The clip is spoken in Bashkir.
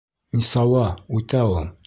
Нисауа, үтә ул...